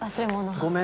ごめん。